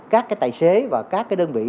các cái tài xế và các cái đơn vị